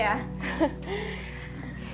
dan aku ngetik